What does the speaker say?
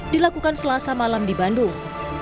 dilakukan selasa malam di bandung